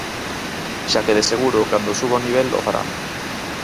Xa que de seguro cando suba o nivel o farán.